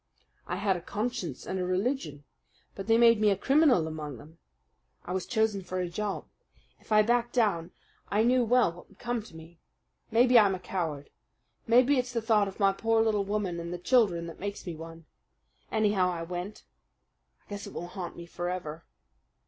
"I had a conscience and a religion; but they made me a criminal among them. I was chosen for a job. If I backed down I knew well what would come to me. Maybe I'm a coward. Maybe it's the thought of my poor little woman and the children that makes me one. Anyhow I went. I guess it will haunt me forever.